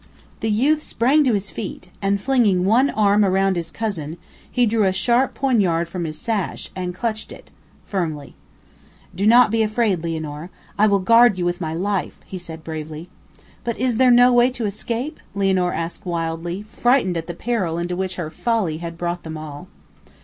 The youth sprang to his feet, and, flinging one arm round his cousin, he drew a sharp poignard from his sash, and clutched it firmly. "Do not be afraid, Lianor. I will guard you with my life!" he said bravely. "But is there no way to escape?" Lianor asked wildly, frightened at the peril into which her folly had brought them all.